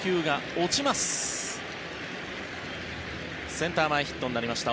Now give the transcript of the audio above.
センター前ヒットになりました。